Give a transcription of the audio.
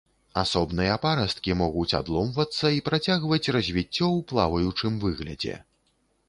Асобныя парасткі могуць адломвацца і працягваць развіццё ў плаваючым выглядзе.